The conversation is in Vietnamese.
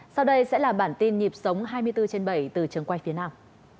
sau đây sẽ là bản tin nhịp sống hai mươi bốn trên bảy từ trường quay phía nam